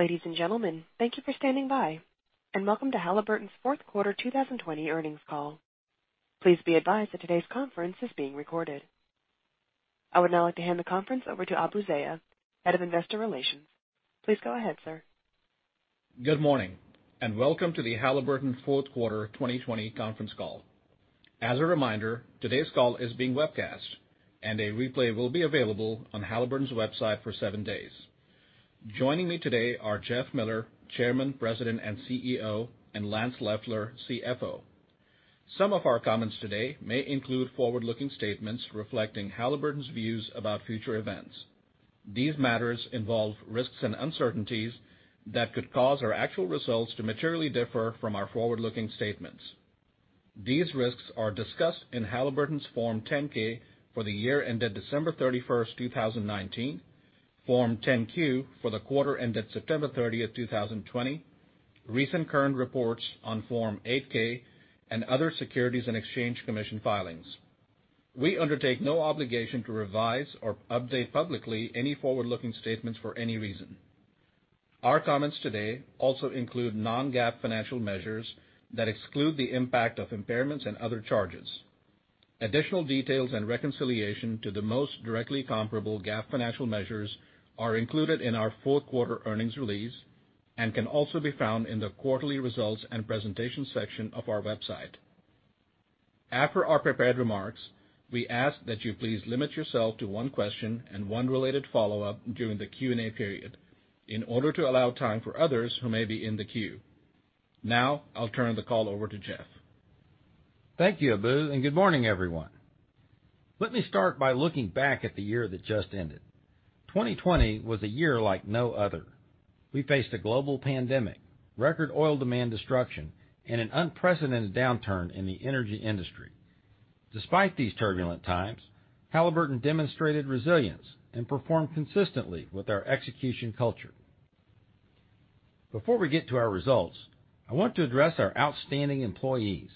Ladies and gentlemen, thank you for standing by, and welcome to Halliburton's fourth quarter 2020 earnings call. Please be advised that today's conference is being recorded. I would now like to hand the conference over to Abu Zeya, Head of Investor Relations. Please go ahead, sir. Good morning, welcome to the Halliburton fourth quarter 2020 conference call. As a reminder, today's call is being webcast, and a replay will be available on Halliburton's website for seven days. Joining me today are Jeff Miller, Chairman, President, and CEO, and Lance Loeffler, CFO. Some of our comments today may include forward-looking statements reflecting Halliburton's views about future events. These matters involve risks and uncertainties that could cause our actual results to materially differ from our forward-looking statements. These risks are discussed in Halliburton's Form 10-K for the year ended December 31st, 2019, Form 10-Q for the quarter ended September 30th, 2020, recent current reports on Form 8-K and other Securities and Exchange Commission filings. We undertake no obligation to revise or update publicly any forward-looking statements for any reason. Our comments today also include non-GAAP financial measures that exclude the impact of impairments and other charges. Additional details and reconciliation to the most directly comparable GAAP financial measures are included in our fourth quarter earnings release and can also be found in the quarterly results and presentation section of our website. After our prepared remarks, we ask that you please limit yourself to one question and one related follow-up during the Q&A period in order to allow time for others who may be in the queue. I'll turn the call over to Jeff. Thank you, Abu, good morning, everyone. Let me start by looking back at the year that just ended. 2020 was a year like no other. We faced a global pandemic, record oil demand destruction, and an unprecedented downturn in the energy industry. Despite these turbulent times, Halliburton demonstrated resilience and performed consistently with our execution culture. Before we get to our results, I want to address our outstanding employees.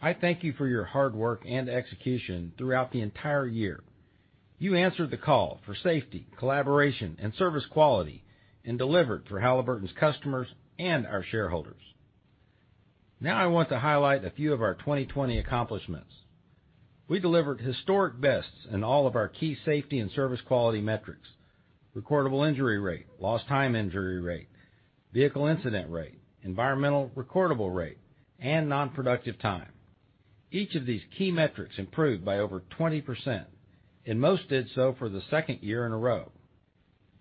I thank you for your hard work and execution throughout the entire year. You answered the call for safety, collaboration, and service quality and delivered for Halliburton's customers and our shareholders. I want to highlight a few of our 2020 accomplishments. We delivered historic bests in all of our key safety and service quality metrics, recordable injury rate, lost time injury rate, vehicle incident rate, environmental recordable rate, and non-productive time. Each of these key metrics improved by over 20%, and most did so for the second year in a row.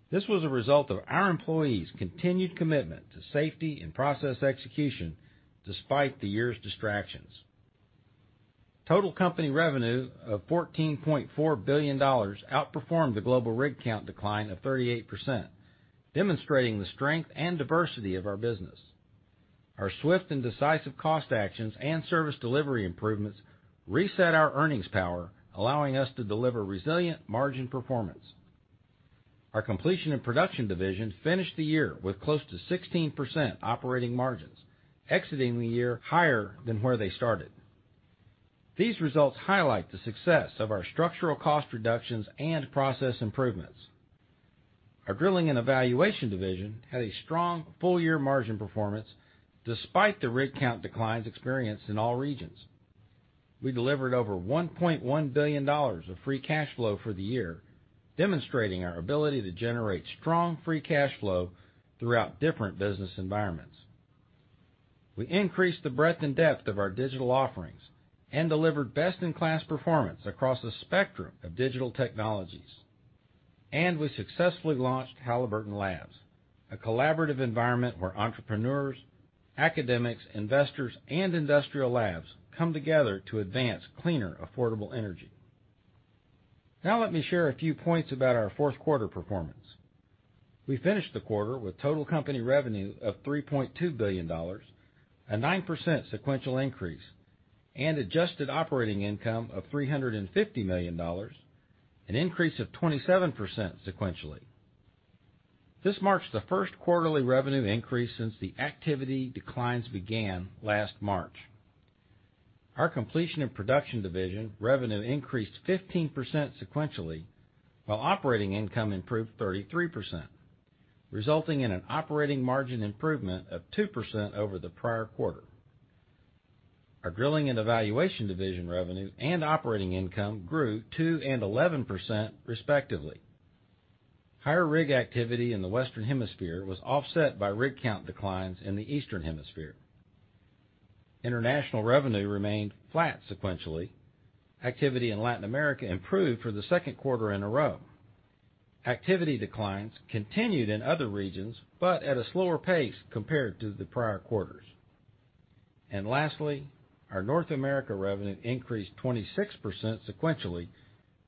This was a result of our employees' continued commitment to safety and process execution despite the year's distractions. Total company revenue of $14.4 billion outperformed the global rig count decline of 38%, demonstrating the strength and diversity of our business. Our swift and decisive cost actions and service delivery improvements reset our earnings power, allowing us to deliver resilient margin performance. Our Completion and Production division finished the year with close to 16% operating margins, exiting the year higher than where they started. These results highlight the success of our structural cost reductions and process improvements. Our Drilling and Evaluation division had a strong full-year margin performance despite the rig count declines experienced in all regions. We delivered over $1.1 billion of free cash flow for the year, demonstrating our ability to generate strong free cash flow throughout different business environments. We increased the breadth and depth of our digital offerings and delivered best-in-class performance across a spectrum of digital technologies. We successfully launched Halliburton Labs, a collaborative environment where entrepreneurs, academics, investors, and industrial labs come together to advance cleaner, affordable energy. Now let me share a few points about our fourth quarter performance. We finished the quarter with total company revenue of $3.2 billion, a 9% sequential increase, and adjusted operating income of $350 million, an increase of 27% sequentially. This marks the first quarterly revenue increase since the activity declines began last March. Our completion and production division revenue increased 15% sequentially, while operating income improved 33%, resulting in an operating margin improvement of 2% over the prior quarter. Our Drilling and Evaluation division revenue and operating income grew 2% and 11%, respectively. Higher rig activity in the Western Hemisphere was offset by rig count declines in the Eastern Hemisphere. International revenue remained flat sequentially. Activity in Latin America improved for the second quarter in a row. Activity declines continued in other regions, at a slower pace compared to the prior quarters. Lastly, our North America revenue increased 26% sequentially,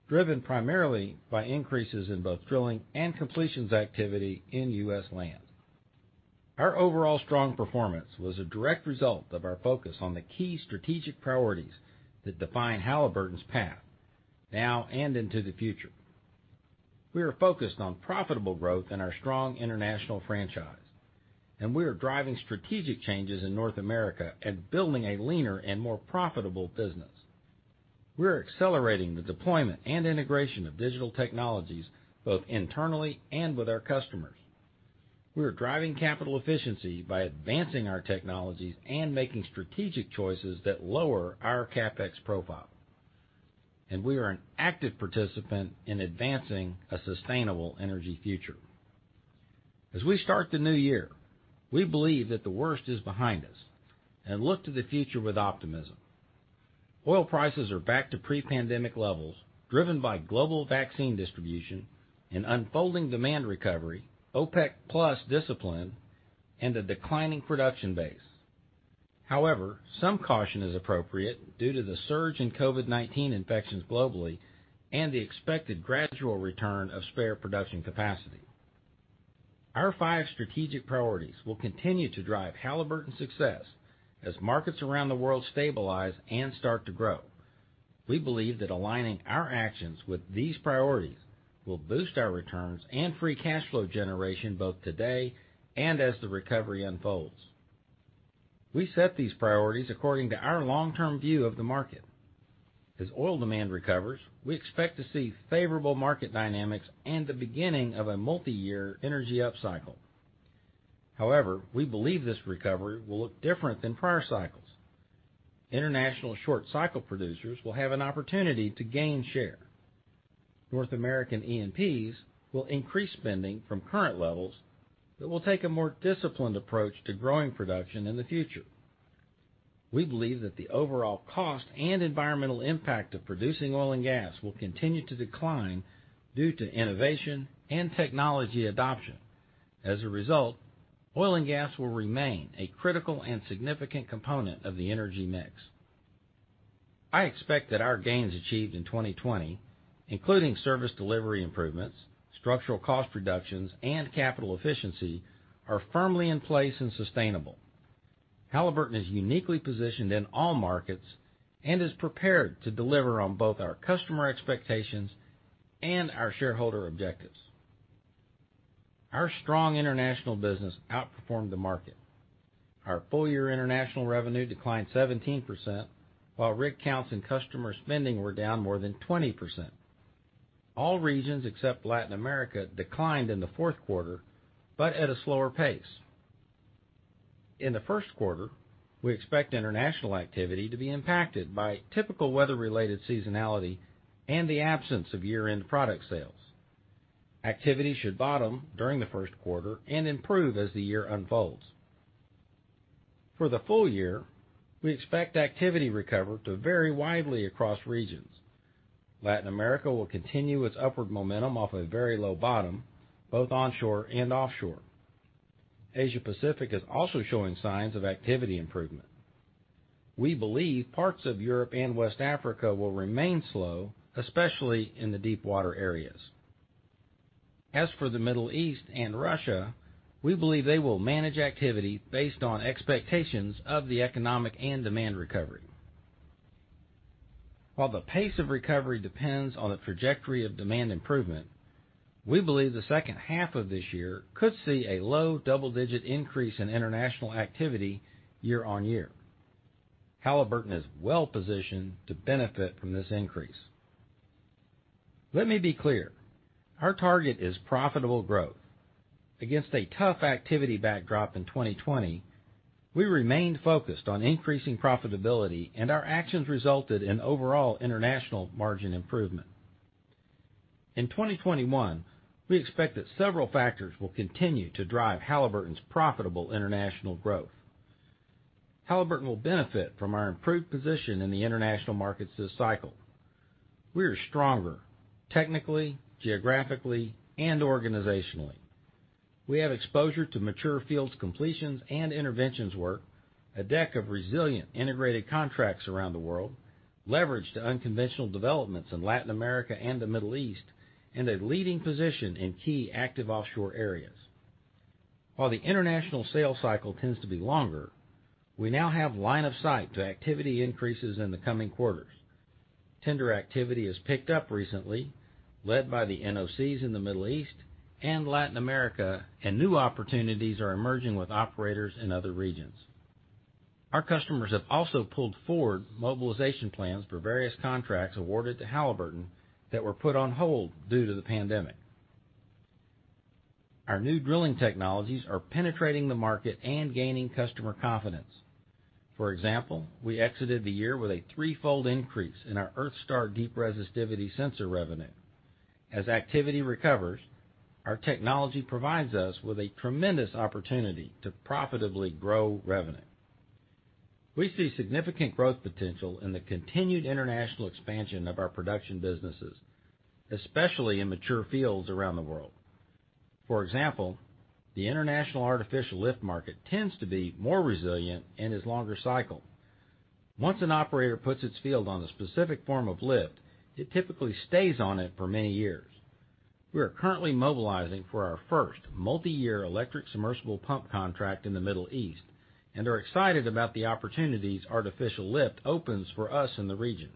driven primarily by increases in both drilling and completions activity in U.S. land. Our overall strong performance was a direct result of our focus on the key strategic priorities that define Halliburton's path, now and into the future. We are focused on profitable growth in our strong international franchise, and we are driving strategic changes in North America and building a leaner and more profitable business. We're accelerating the deployment and integration of digital technologies both internally and with our customers. We are driving capital efficiency by advancing our technologies and making strategic choices that lower our CapEx profile. We are an active participant in advancing a sustainable energy future. As we start the new year, we believe that the worst is behind us and look to the future with optimism. Oil prices are back to pre-pandemic levels, driven by global vaccine distribution, an unfolding demand recovery, OPEC+ discipline, and a declining production base. However, some caution is appropriate due to the surge in COVID-19 infections globally and the expected gradual return of spare production capacity. Our five strategic priorities will continue to drive Halliburton's success as markets around the world stabilize and start to grow. We believe that aligning our actions with these priorities will boost our returns and free cash flow generation both today and as the recovery unfolds. We set these priorities according to our long-term view of the market. As oil demand recovers, we expect to see favorable market dynamics and the beginning of a multi-year energy upcycle. However, we believe this recovery will look different than prior cycles. International short-cycle producers will have an opportunity to gain share. North American E&Ps will increase spending from current levels but will take a more disciplined approach to growing production in the future. We believe that the overall cost and environmental impact of producing oil and gas will continue to decline due to innovation and technology adoption. As a result, oil and gas will remain a critical and significant component of the energy mix. I expect that our gains achieved in 2020, including service delivery improvements, structural cost reductions, and capital efficiency, are firmly in place and sustainable. Halliburton is uniquely positioned in all markets and is prepared to deliver on both our customer expectations and our shareholder objectives. Our strong international business outperformed the market. Our full-year international revenue declined 17%, while rig counts and customer spending were down more than 20%. All regions except Latin America declined in the fourth quarter, but at a slower pace. In the first quarter, we expect international activity to be impacted by typical weather-related seasonality and the absence of year-end product sales. Activity should bottom during the first quarter and improve as the year unfolds. For the full year, we expect activity recovery to vary widely across regions. Latin America will continue its upward momentum off a very low bottom, both onshore and offshore. Asia Pacific is also showing signs of activity improvement. We believe parts of Europe and West Africa will remain slow, especially in the deepwater areas. As for the Middle East and Russia, we believe they will manage activity based on expectations of the economic and demand recovery. While the pace of recovery depends on the trajectory of demand improvement, we believe the second half of this year could see a low double-digit increase in international activity year-on-year. Halliburton is well-positioned to benefit from this increase. Let me be clear: our target is profitable growth. Against a tough activity backdrop in 2020, we remained focused on increasing profitability, and our actions resulted in overall international margin improvement. In 2021, we expect that several factors will continue to drive Halliburton's profitable international growth. Halliburton will benefit from our improved position in the international markets this cycle. We are stronger technically, geographically, and organizationally. We have exposure to mature fields completions and interventions work, a deck of resilient integrated contracts around the world, leverage to unconventional developments in Latin America and the Middle East, and a leading position in key active offshore areas. While the international sales cycle tends to be longer, we now have line of sight to activity increases in the coming quarters. Tender activity has picked up recently, led by the NOCs in the Middle East and Latin America, and new opportunities are emerging with operators in other regions. Our customers have also pulled forward mobilization plans for various contracts awarded to Halliburton that were put on hold due to the pandemic. Our new drilling technologies are penetrating the market and gaining customer confidence. For example, we exited the year with a threefold increase in our EarthStar deep resistivity sensor revenue. As activity recovers, our technology provides us with a tremendous opportunity to profitably grow revenue. We see significant growth potential in the continued international expansion of our production businesses, especially in mature fields around the world. For example, the international artificial lift market tends to be more resilient and is longer cycle. Once an operator puts its field on a specific form of lift, it typically stays on it for many years. We are currently mobilizing for our first multi-year electric submersible pump contract in the Middle East and are excited about the opportunities artificial lift opens for us in the region.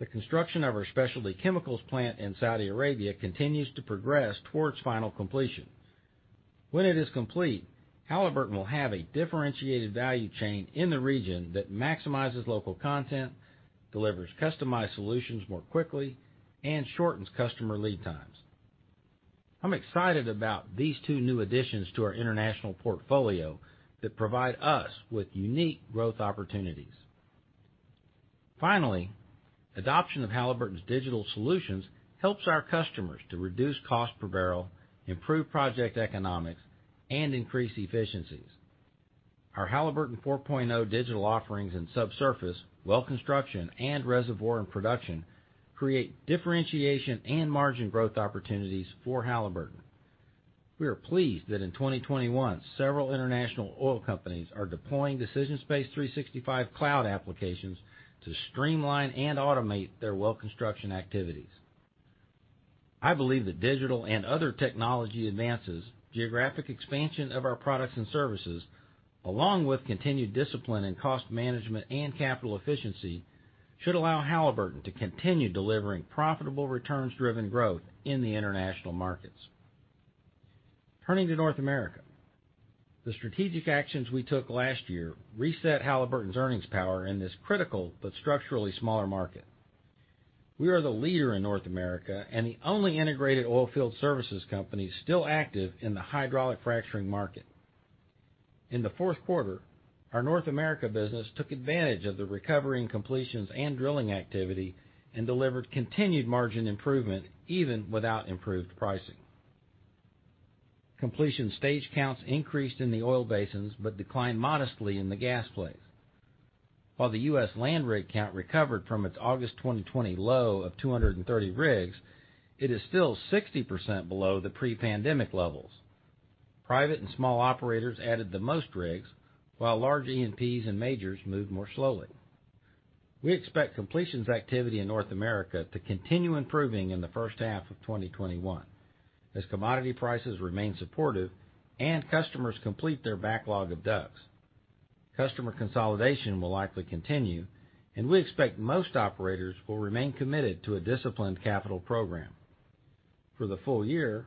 The construction of our specialty chemicals plant in Saudi Arabia continues to progress towards final completion. When it is complete, Halliburton will have a differentiated value chain in the region that maximizes local content, delivers customized solutions more quickly, and shortens customer lead times. I'm excited about these two new additions to our international portfolio that provide us with unique growth opportunities. Finally, adoption of Halliburton's digital solutions helps our customers to reduce cost per barrel, improve project economics, and increase efficiencies. Our Halliburton 4.0 digital offerings in subsurface, well construction, and reservoir and production create differentiation and margin growth opportunities for Halliburton. We are pleased that in 2021, several international oil companies are deploying DecisionSpace 365 cloud applications to streamline and automate their well construction activities. I believe that digital and other technology advances, geographic expansion of our products and services, along with continued discipline in cost management and capital efficiency, should allow Halliburton to continue delivering profitable returns-driven growth in the international markets. Turning to North America, the strategic actions we took last year reset Halliburton's earnings power in this critical but structurally smaller market. We are the leader in North America and the only integrated oilfield services company still active in the hydraulic fracturing market. In the fourth quarter, our North America business took advantage of the recovery in completions and drilling activity and delivered continued margin improvement even without improved pricing. Completion stage counts increased in the oil basins but declined modestly in the gas plays. While the U.S. land rig count recovered from its August 2020 low of 230 rigs, it is still 60% below the pre-pandemic levels. Private and small operators added the most rigs, while large E&Ps and majors moved more slowly. We expect completions activity in North America to continue improving in the first half of 2021 as commodity prices remain supportive and customers complete their backlog of DUCs. Customer consolidation will likely continue, and we expect most operators will remain committed to a disciplined capital program. For the full year,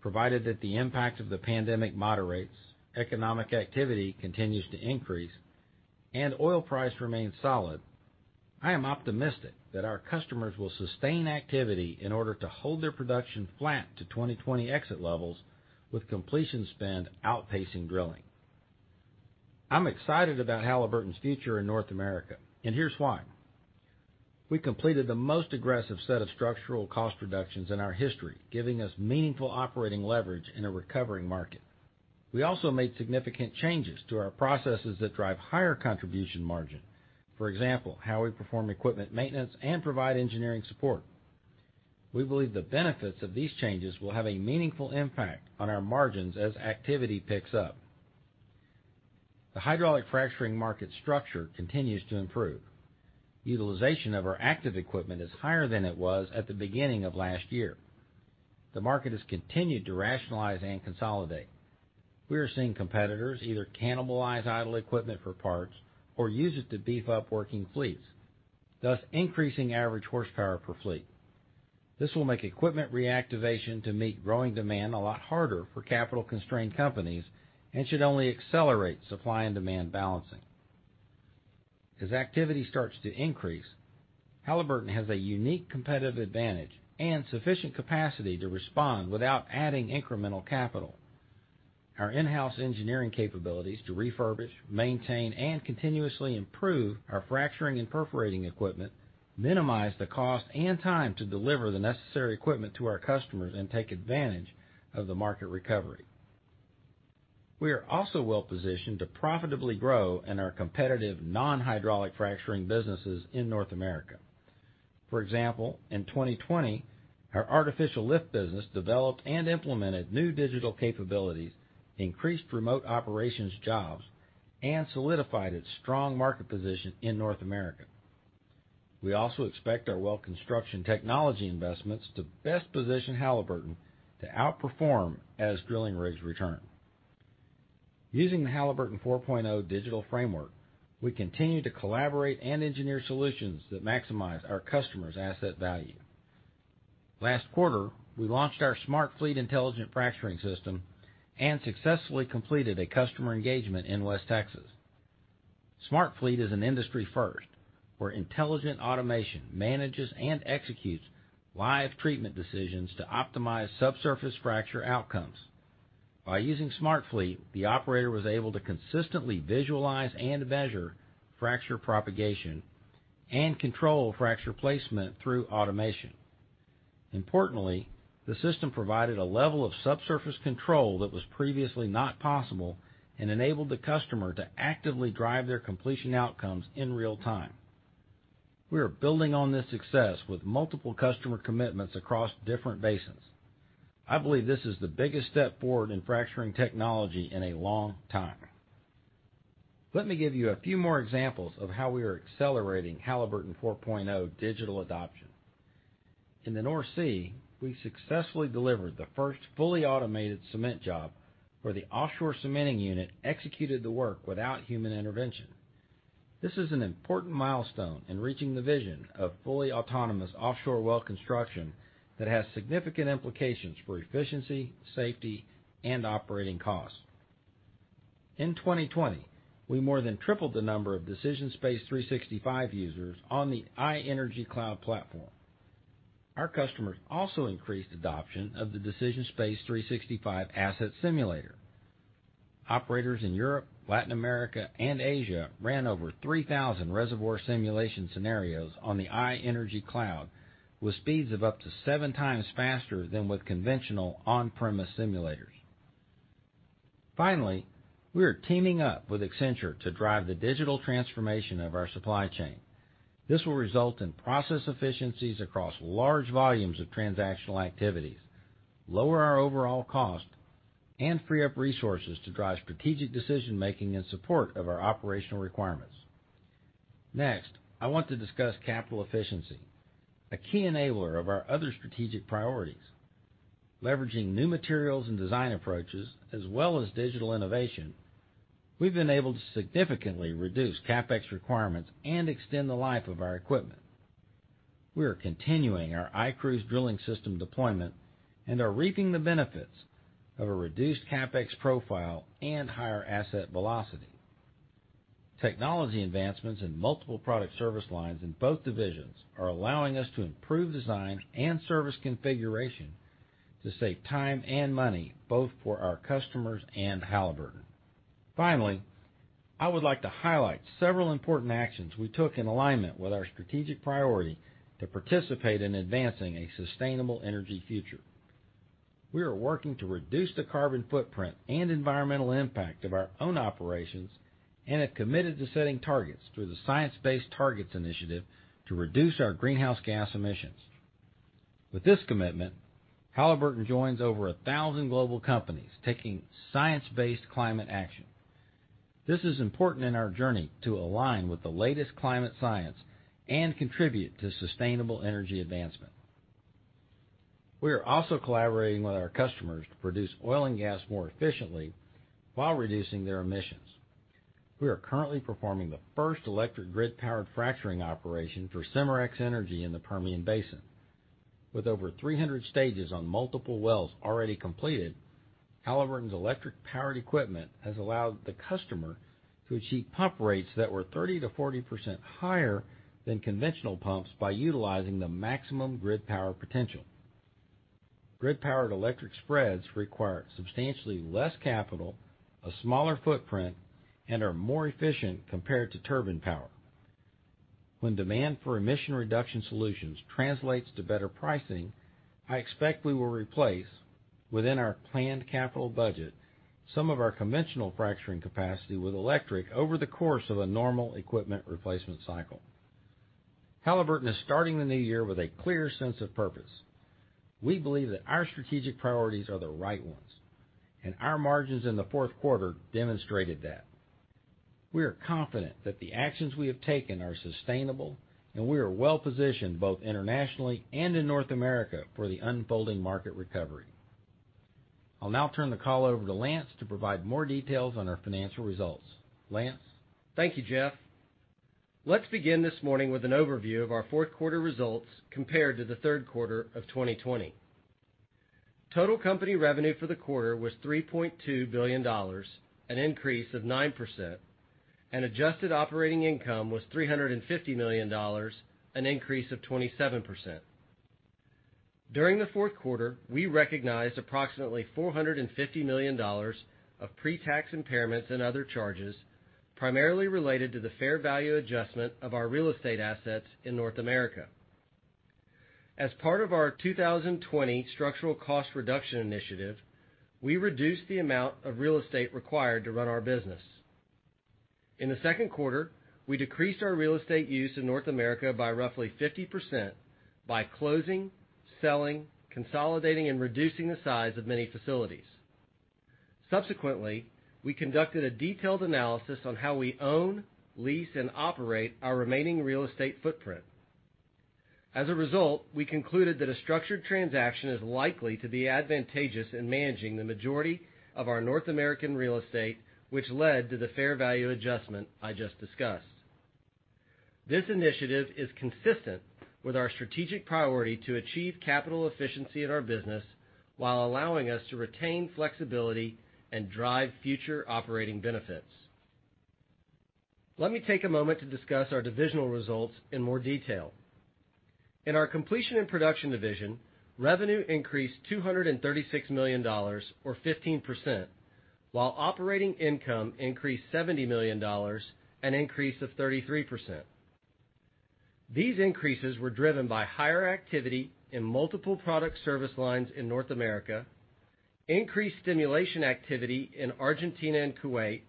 provided that the impact of the pandemic moderates, economic activity continues to increase, and oil price remains solid, I am optimistic that our customers will sustain activity in order to hold their production flat to 2020 exit levels with completion spend outpacing drilling. I'm excited about Halliburton's future in North America, and here's why. We completed the most aggressive set of structural cost reductions in our history, giving us meaningful operating leverage in a recovering market. We also made significant changes to our processes that drive higher contribution margin. For example, how we perform equipment maintenance and provide engineering support. We believe the benefits of these changes will have a meaningful impact on our margins as activity picks up. The hydraulic fracturing market structure continues to improve. Utilization of our active equipment is higher than it was at the beginning of last year. The market has continued to rationalize and consolidate. We are seeing competitors either cannibalize idle equipment for parts or use it to beef up working fleets, thus increasing average horsepower per fleet. This will make equipment reactivation to meet growing demand a lot harder for capital-constrained companies and should only accelerate supply and demand balancing. As activity starts to increase, Halliburton has a unique competitive advantage and sufficient capacity to respond without adding incremental capital. Our in-house engineering capabilities to refurbish, maintain, and continuously improve our fracturing and perforating equipment minimize the cost and time to deliver the necessary equipment to our customers and take advantage of the market recovery. We are also well-positioned to profitably grow in our competitive non-hydraulic fracturing businesses in North America. For example, in 2020, our artificial lift business developed and implemented new digital capabilities, increased remote operations jobs, and solidified its strong market position in North America. We also expect our well construction technology investments to best position Halliburton to outperform as drilling rigs return. Using the Halliburton 4.0 digital framework, we continue to collaborate and engineer solutions that maximize our customers' asset value. Last quarter, we launched our SmartFleet intelligent fracturing system and successfully completed a customer engagement in West Texas. SmartFleet is an industry first, where intelligent automation manages and executes live treatment decisions to optimize subsurface fracture outcomes. By using SmartFleet, the operator was able to consistently visualize and measure fracture propagation and control fracture placement through automation. Importantly, the system provided a level of subsurface control that was previously not possible and enabled the customer to actively drive their completion outcomes in real time. We are building on this success with multiple customer commitments across different basins. I believe this is the biggest step forward in fracturing technology in a long time. Let me give you a few more examples of how we are accelerating Halliburton 4.0 digital adoption. In the North Sea, we successfully delivered the first fully automated cement job where the offshore cementing unit executed the work without human intervention. This is an important milestone in reaching the vision of fully autonomous offshore well construction that has significant implications for efficiency, safety, and operating costs. In 2020, we more than tripled the number of DecisionSpace 365 users on the iEnergy cloud platform. Our customers also increased adoption of the DecisionSpace 365 Asset Simulator. Operators in Europe, Latin America, and Asia ran over 3,000 reservoir simulation scenarios on the iEnergy cloud with speeds of up to seven times faster than with conventional on-premise simulators. We are teaming up with Accenture to drive the digital transformation of our supply chain. This will result in process efficiencies across large volumes of transactional activities, lower our overall cost, and free up resources to drive strategic decision-making in support of our operational requirements. Next, I want to discuss capital efficiency, a key enabler of our other strategic priorities. Leveraging new materials and design approaches as well as digital innovation, we've been able to significantly reduce CapEx requirements and extend the life of our equipment. We are continuing our iCruise drilling system deployment and are reaping the benefits of a reduced CapEx profile and higher asset velocity. Technology advancements in multiple product service lines in both divisions are allowing us to improve design and service configuration to save time and money, both for our customers and Halliburton. Finally, I would like to highlight several important actions we took in alignment with our strategic priority to participate in advancing a sustainable energy future. We are working to reduce the carbon footprint and environmental impact of our own operations and have committed to setting targets through the Science Based Targets initiative to reduce our greenhouse gas emissions. With this commitment, Halliburton joins over 1,000 global companies taking science-based climate action. This is important in our journey to align with the latest climate science and contribute to sustainable energy advancement. We are also collaborating with our customers to produce oil and gas more efficiently while reducing their emissions. We are currently performing the first electric grid-powered fracturing operation for Cimarex Energy in the Permian Basin. With over 300 stages on multiple wells already completed, Halliburton's electric-powered equipment has allowed the customer to achieve pump rates that were 30%-40% higher than conventional pumps by utilizing the maximum grid power potential. Grid-powered electric spreads require substantially less capital, a smaller footprint, and are more efficient compared to turbine power. When demand for emission reduction solutions translates to better pricing, I expect we will replace, within our planned capital budget, some of our conventional fracturing capacity with electric over the course of a normal equipment replacement cycle. Halliburton is starting the new year with a clear sense of purpose. We believe that our strategic priorities are the right ones, and our margins in the fourth quarter demonstrated that. We are confident that the actions we have taken are sustainable, and we are well-positioned both internationally and in North America for the unfolding market recovery. I'll now turn the call over to Lance to provide more details on our financial results. Lance? Thank you, Jeff. Let's begin this morning with an overview of our fourth quarter results compared to the third quarter of 2020. Total company revenue for the quarter was $3.2 billion, an increase of 9%, and adjusted operating income was $350 million, an increase of 27%. During the fourth quarter, we recognized approximately $450 million of pre-tax impairments and other charges, primarily related to the fair value adjustment of our real estate assets in North America. As part of our 2020 structural cost reduction initiative, we reduced the amount of real estate required to run our business. In the second quarter, we decreased our real estate use in North America by roughly 50% by closing, selling, consolidating, and reducing the size of many facilities. Subsequently, we conducted a detailed analysis on how we own, lease, and operate our remaining real estate footprint. As a result, we concluded that a structured transaction is likely to be advantageous in managing the majority of our North American real estate, which led to the fair value adjustment I just discussed. This initiative is consistent with our strategic priority to achieve capital efficiency in our business while allowing us to retain flexibility and drive future operating benefits. Let me take a moment to discuss our divisional results in more detail. In our Completion and Production division, revenue increased $236 million or 15%, while operating income increased $70 million, an increase of 33%. These increases were driven by higher activity in multiple product service lines in North America, increased stimulation activity in Argentina and Kuwait,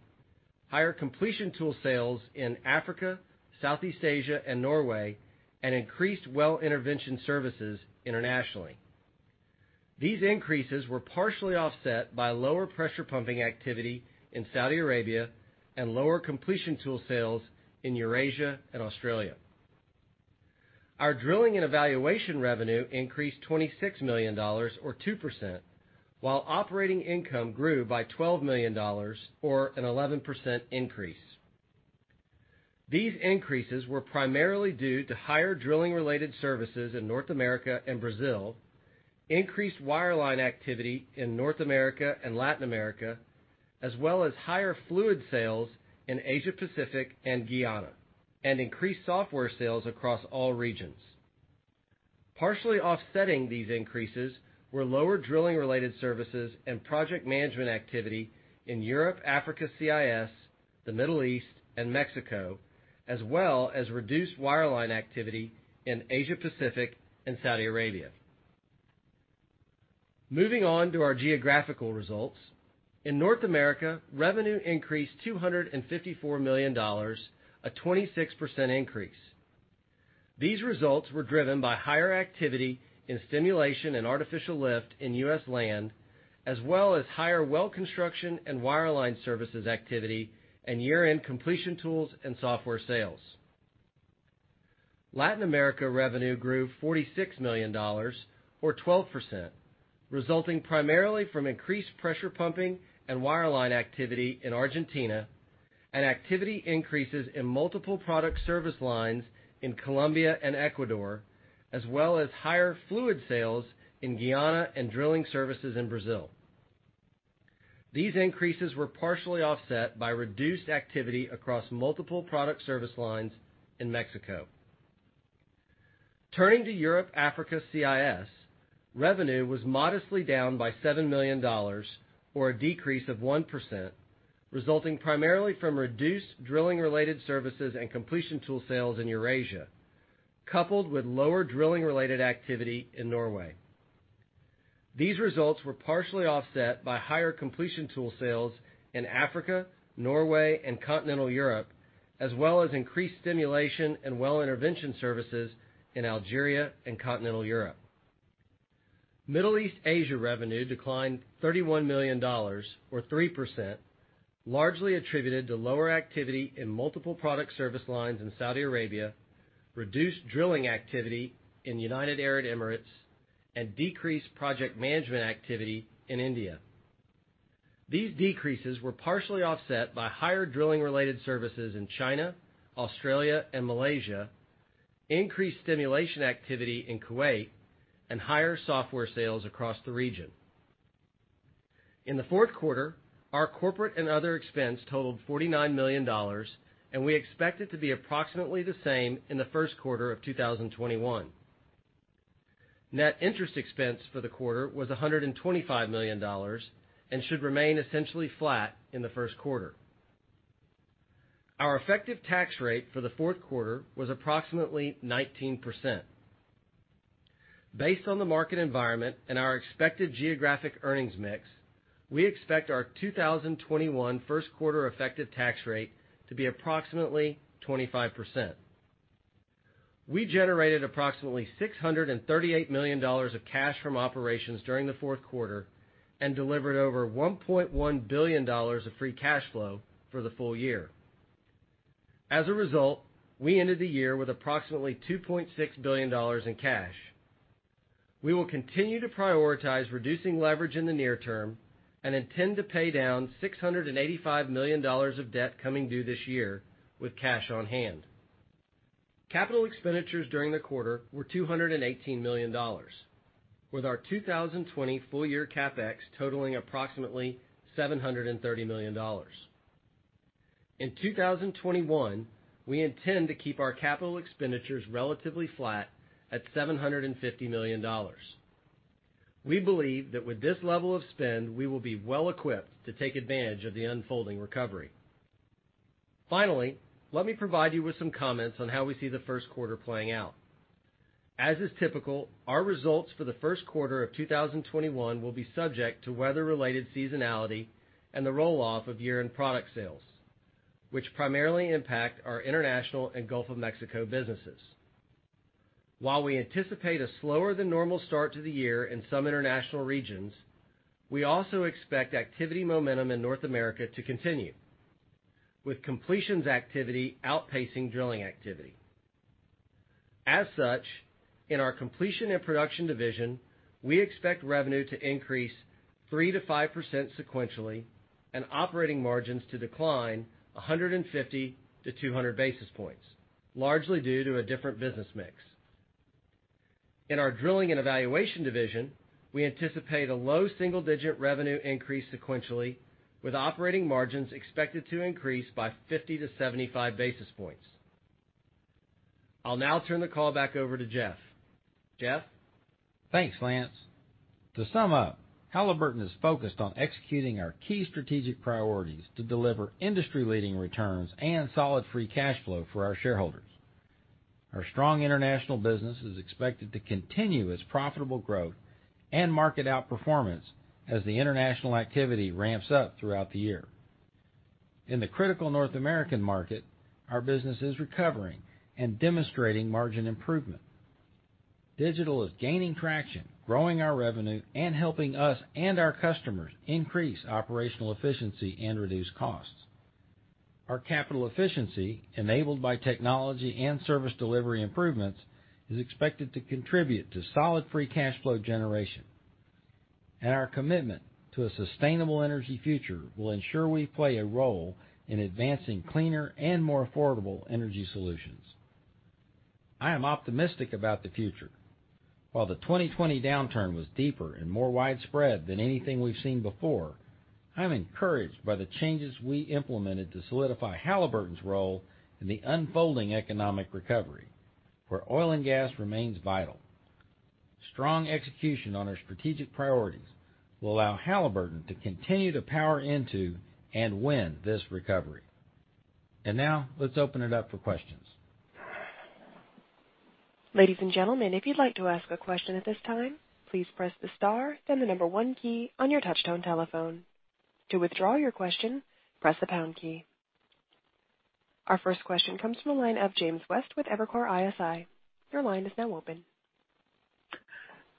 higher completion tool sales in Africa, Southeast Asia, and Norway, and increased well intervention services internationally. These increases were partially offset by lower pressure pumping activity in Saudi Arabia and lower completion tool sales in Eurasia and Australia. Our drilling and evaluation revenue increased $26 million, or 2%, while operating income grew by $12 million, or an 11% increase. These increases were primarily due to higher drilling-related services in North America and Brazil, increased wireline activity in North America and Latin America, as well as higher fluid sales in Asia Pacific and Guyana, and increased software sales across all regions. Partially offsetting these increases were lower drilling-related services and project management activity in Europe, Africa, CIS, the Middle East, and Mexico, as well as reduced wireline activity in Asia Pacific and Saudi Arabia. Moving on to our geographical results. In North America, revenue increased $254 million, a 26% increase. These results were driven by higher activity in stimulation and artificial lift in U.S. land, as well as higher well construction and wireline services activity and year-end completion tools and software sales. Latin America revenue grew $46 million, or 12%, resulting primarily from increased pressure pumping and wireline activity in Argentina and activity increases in multiple product service lines in Colombia and Ecuador, as well as higher fluid sales in Guyana and drilling services in Brazil. These increases were partially offset by reduced activity across multiple product service lines in Mexico. Turning to Europe, Africa, CIS, revenue was modestly down by $7 million, or a decrease of 1%, resulting primarily from reduced drilling-related services and completion tool sales in Eurasia, coupled with lower drilling-related activity in Norway. These results were partially offset by higher completion tool sales in Africa, Norway, and continental Europe, as well as increased stimulation and well intervention services in Algeria and continental Europe. Middle East/Asia revenue declined $31 million, or 3%, largely attributed to lower activity in multiple product service lines in Saudi Arabia, reduced drilling activity in United Arab Emirates, and decreased project management activity in India. These decreases were partially offset by higher drilling-related services in China, Australia, and Malaysia, increased stimulation activity in Kuwait, and higher software sales across the region. In the fourth quarter, our corporate and other expense totaled $49 million, and we expect it to be approximately the same in the first quarter of 2021. Net interest expense for the quarter was $125 million and should remain essentially flat in the first quarter. Our effective tax rate for the fourth quarter was approximately 19%. Based on the market environment and our expected geographic earnings mix, we expect our 2021 first quarter effective tax rate to be approximately 25%. We generated approximately $638 million of cash from operations during the fourth quarter and delivered over $1.1 billion of free cash flow for the full year. As a result, we ended the year with approximately $2.6 billion in cash. We will continue to prioritize reducing leverage in the near term and intend to pay down $685 million of debt coming due this year with cash on hand. Capital expenditures during the quarter were $218 million, with our 2020 full year CapEx totaling approximately $730 million. In 2021, we intend to keep our capital expenditures relatively flat at $750 million. We believe that with this level of spend, we will be well-equipped to take advantage of the unfolding recovery. Finally, let me provide you with some comments on how we see the first quarter playing out. As is typical, our results for the first quarter of 2021 will be subject to weather-related seasonality and the roll-off of year-end product sales, which primarily impact our international and Gulf of Mexico businesses. While we anticipate a slower than normal start to the year in some international regions, we also expect activity momentum in North America to continue, with completions activity outpacing drilling activity. As such, in our completion and production division, we expect revenue to increase 3%-5% sequentially and operating margins to decline 150-200 basis points, largely due to a different business mix. In our drilling and evaluation division, we anticipate a low double-digit revenue increase sequentially, with operating margins expected to increase by 50-75 basis points. I'll now turn the call back over to Jeff. Jeff? Thanks, Lance. To sum up, Halliburton is focused on executing our key strategic priorities to deliver industry-leading returns and solid free cash flow for our shareholders. Our strong international business is expected to continue its profitable growth and market outperformance as the international activity ramps up throughout the year. In the critical North American market, our business is recovering and demonstrating margin improvement. Digital is gaining traction, growing our revenue, and helping us and our customers increase operational efficiency and reduce costs. Our capital efficiency, enabled by technology and service delivery improvements, is expected to contribute to solid free cash flow generation. Our commitment to a sustainable energy future will ensure we play a role in advancing cleaner and more affordable energy solutions. I am optimistic about the future. While the 2020 downturn was deeper and more widespread than anything we've seen before, I'm encouraged by the changes we implemented to solidify Halliburton's role in the unfolding economic recovery, where oil and gas remains vital. Strong execution on our strategic priorities will allow Halliburton to continue to power into and win this recovery. Now let's open it up for questions. Ladies and gentlemen, if you'd like to ask a question at this time, please press the star, then the number one key on your touchtone telephone. To withdraw your question, press the pound key. Our first question comes from the line of James West with Evercore ISI. Your line is now open.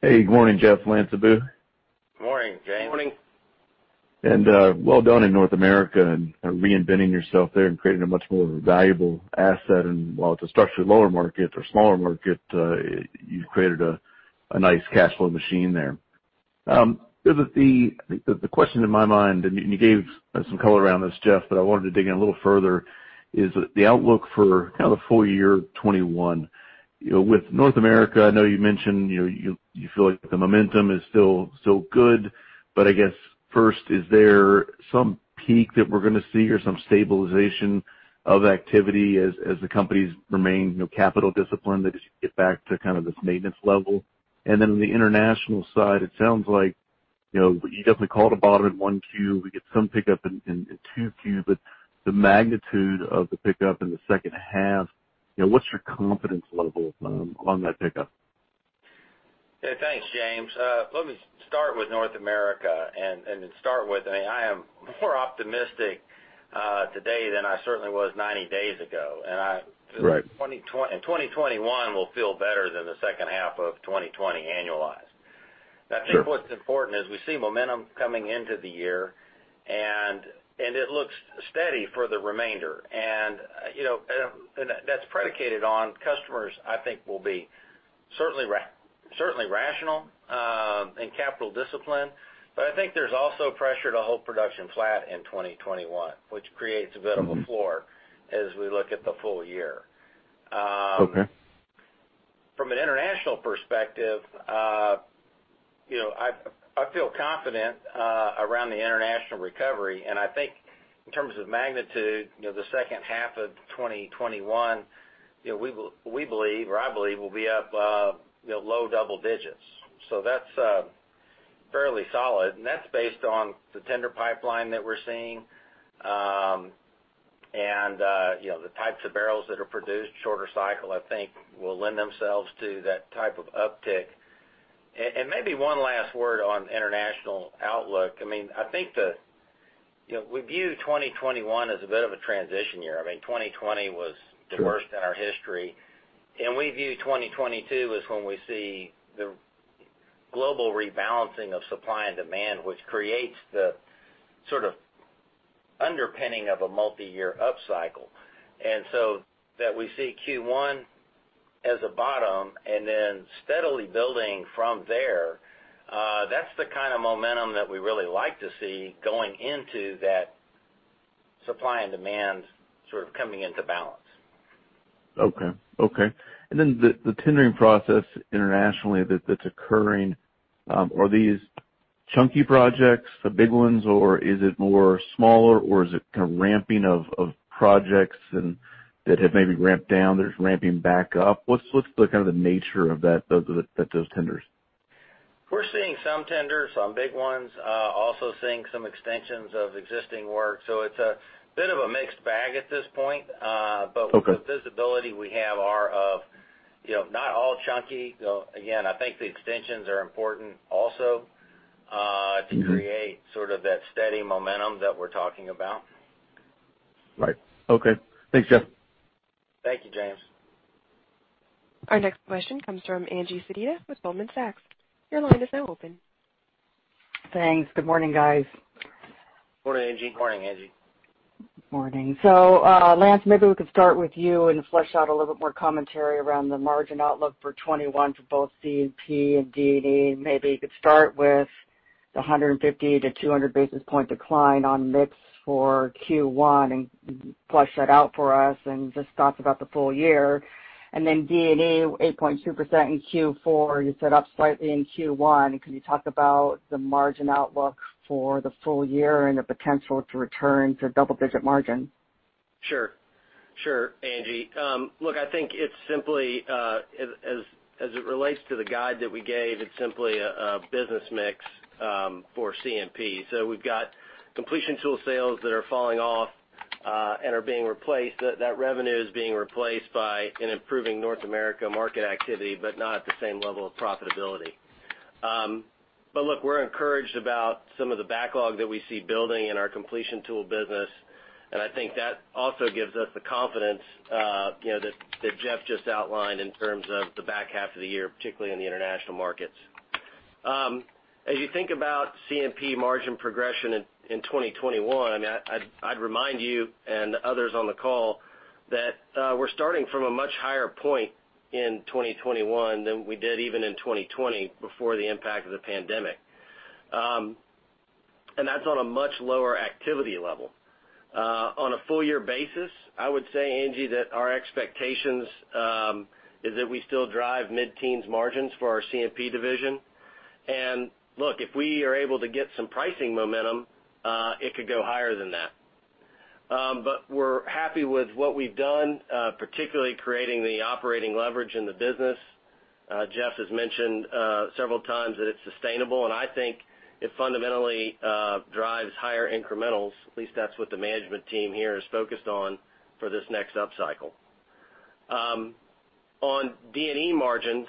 Hey, good morning, Jeff, Lance, Abu. Morning, James. Morning. Well done in North America in reinventing yourself there and creating a much more valuable asset. While it's a structurally lower market or smaller market, you've created a nice cash flow machine there. The question in my mind, and you gave some color around this, Jeff, but I wanted to dig in a little further, is the outlook for kind of the full year 2021. With North America, I know you mentioned you feel like the momentum is still good, but I guess first, is there some peak that we're going to see or some stabilization of activity as the companies remain capital disciplined, they just get back to kind of this maintenance level? On the international side, it sounds like you definitely called a bottom in Q1. We get some pickup in Q2, but the magnitude of the pickup in the second half, what's your confidence level on that pickup? Yeah, thanks, James. Let me start with North America, and to start with, I am more optimistic today than I certainly was 90 days ago. Right. 2021 will feel better than the second half of 2020 annualized. Sure. I think what's important is we see momentum coming into the year, and it looks steady for the remainder. That's predicated on customers, I think will be certainly rational in capital discipline. I think there's also pressure to hold production flat in 2021, which creates a bit of a floor as we look at the full year. Okay. From an international perspective, I feel confident around the international recovery. I think in terms of magnitude, the second half of 2021, I believe will be up low double digits. That's fairly solid. That's based on the tender pipeline that we're seeing. The types of barrels that are produced, shorter cycle, I think will lend themselves to that type of uptick. Maybe one last word on international outlook. I think we view 2021 as a bit of a transition year. 2020 was the worst in our history. We view 2022 as when we see the global rebalancing of supply and demand, which creates the sort of underpinning of a multi-year upcycle. That we see Q1 as a bottom and then steadily building from there, that's the kind of momentum that we really like to see going into that supply and demand sort of coming into balance. Okay. The tendering process internationally that's occurring, are these chunky projects, the big ones, or is it more smaller, or is it kind of ramping of projects that have maybe ramped down that are ramping back up? What's the kind of the nature of those tenders? We're seeing some tenders, some big ones. Also seeing some extensions of existing work. It's a bit of a mixed bag at this point. Okay. The visibility we have are of not all chunky. I think the extensions are important also to create sort of that steady momentum that we're talking about. Right. Okay. Thanks, Jeff. Thank you, James. Our next question comes from Angie Sedita with Goldman Sachs. Thanks. Good morning, guys. Morning, Angie. Morning, Angie. Morning. Lance, maybe we could start with you and flesh out a little bit more commentary around the margin outlook for 2021 for both C&P and D&E. Maybe you could start with the 150 to 200 basis point decline on mix for Q1 and flesh that out for us and just thoughts about the full year. D&E, 8.2% in Q4. You said up slightly in Q1. Can you talk about the margin outlook for the full year and the potential to return to double-digit margin? Sure, Angie. Look, I think as it relates to the guide that we gave, it's simply a business mix for C&P. We've got completion tool sales that are falling off and are being replaced. That revenue is being replaced by an improving North America market activity, but not at the same level of profitability. Look, we're encouraged about some of the backlog that we see building in our completion tool business. I think that also gives us the confidence that Jeff just outlined in terms of the back half of the year, particularly in the international markets. You think about C&P margin progression in 2021, I'd remind you and others on the call that we're starting from a much higher point in 2021 than we did even in 2020 before the impact of the pandemic. That's on a much lower activity level. On a full year basis, I would say, Angie, that our expectations is that we still drive mid-teens margins for our C&P division. Look, if we are able to get some pricing momentum, it could go higher than that. We're happy with what we've done, particularly creating the operating leverage in the business. Jeff has mentioned several times that it's sustainable. I think it fundamentally drives higher incrementals. At least that's what the management team here is focused on for this next up cycle. On D&E margins,